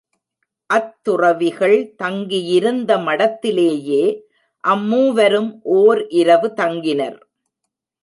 அத்துறவிகள் தங்கியிருந்த மடத்திலேயே அம்மூவரும் ஒர் இரவு தங்கினர்.